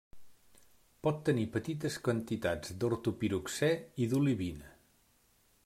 Pot tenir petites quantitats d'ortopiroxè i d'olivina.